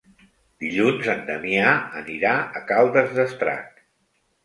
Dilluns en Damià anirà a Caldes d'Estrac.